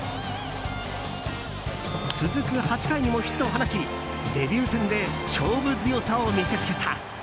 続く８回にもヒットを放ちデビュー戦で勝負強さを見せつけた。